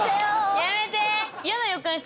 やめて。